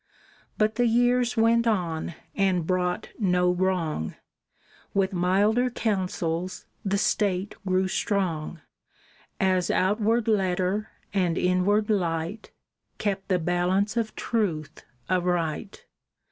But the years went on, and brought no wrong; With milder counsels the State grew strong, As outward Letter and inward Light Kept the balance of truth aright.